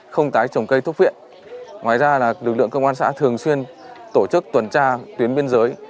không tái trồng cây thuốc viện ngoài ra lực lượng công an xã thường xuyên tổ chức tuần tra tuyến biên giới